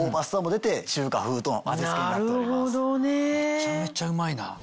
めちゃめちゃうまいな。